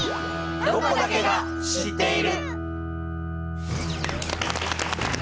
「ロコだけが知っている」。